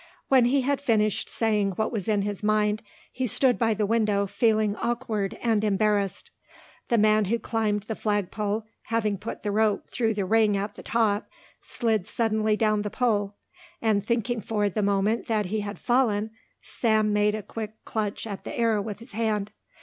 When he had finished saying what was in his mind, he stood by the window feeling awkward and embarrassed. The man who climbed the flag pole having put the rope through the ring at the top slid suddenly down the pole and thinking for the moment that he had fallen Sam made a quick clutch at the air with his hand.